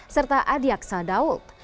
serta adi aksa daud